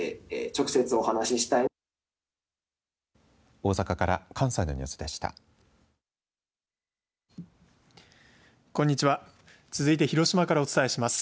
大阪から関西のニュースでした。